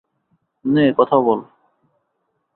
নে কথা বল!